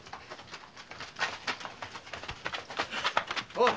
おい！